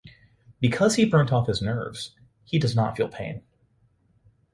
Because he burnt off his nerves, he does not feel pain.